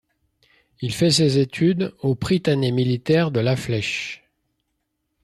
Il fait ses études au Prytanée militaire de la Flèche.